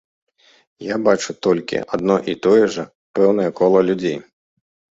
Я бачу толькі адно і тое жа пэўнае кола людзей.